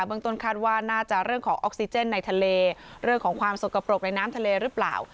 เมืองต้นคาดว่าน่าจะเรื่องของออกซิเจนในทะเลเรื่องของความสกปรกในน้ำทะเลหรือเปล่า